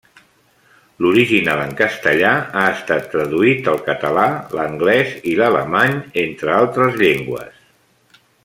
L'original en castellà ha estat traduït al català, l'anglès i l'alemany, entre altres llengües.